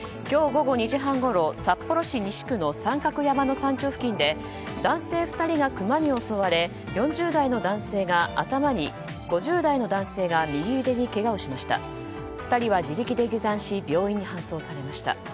今日午後２時半ごろ札幌市西区の三角山の山頂付近で男性２人がクマに襲われ４０代の男性が頭に５０代の男性が右腕にけがをしました。